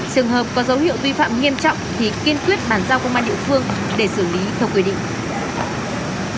trường hợp có dấu hiệu vi phạm nghiêm trọng thì kiên quyết bàn giao công an địa phương để xử lý theo quy định